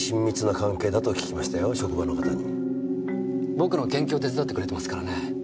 僕の研究を手伝ってくれてますからね。